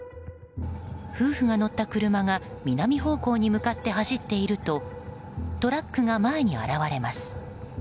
夫婦が乗った車が南方向に向かって走っているとトラックが前に現れます。